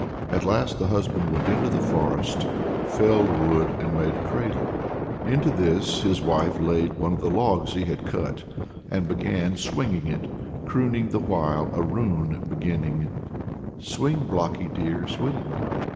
At last the husband went into the forest, felled wood, and made a cradle. Into this his wife laid one of the logs he had cut, and began swinging it, crooning the while a rune beginning Swing, blockie dear, swing.